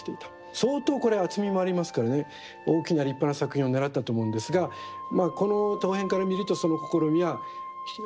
相当これは厚みもありますからね大きな立派な作品をねらったと思うんですがまあこの陶片から見るとその試みはまあ残念ながらということで。